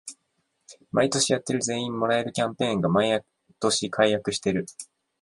毎年やってる全員もらえるキャンペーンが毎年改悪してる